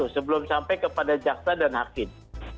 sebelum sampai kepada jaksa dan hakim